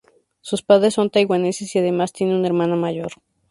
Sus padres son taiwaneses y además tiene una hermana mayor.